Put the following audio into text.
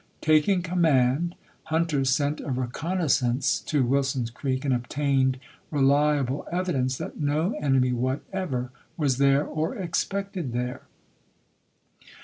Taking command. Hunter sent a reconnaissance to Wilson's Creek, and obtained reliable evidence that no enemy whatever was there or expected there.